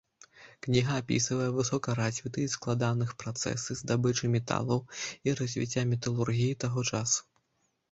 Кніга апісвае высокаразвітыя і складаных працэсы здабычы металаў і развіцця металургіі таго часу.